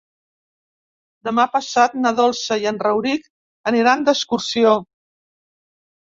Demà passat na Dolça i en Rauric aniran d'excursió.